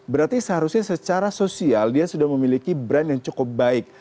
berarti seharusnya secara sosial dia sudah memiliki brand yang cukup baik